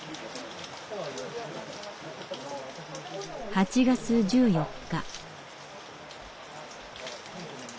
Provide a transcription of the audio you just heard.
８月１４日。